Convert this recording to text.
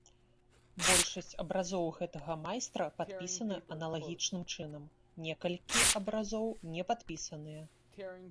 Большасць абразоў гэтага майстра падпісаны аналагічным чынам, некалькі абразоў не падпісаныя.